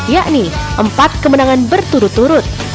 yakni empat kemenangan berturut turut